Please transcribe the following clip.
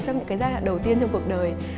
trong những cái giai đoạn đầu tiên trong cuộc đời